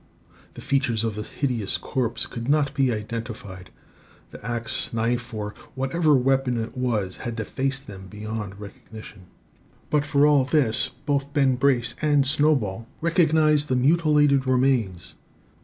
The features of the hideous corpse could not be identified. The axe, knife, or whatever weapon it was, had defaced them beyond recognition; but for all this, both Ben Brace and Snowball recognised the mutilated remains.